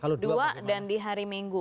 dua dan di hari minggu